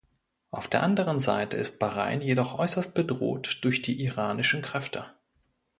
Auf der anderen Seite ist Bahrain jedoch äußerst bedroht durch die iranischen Kräfte.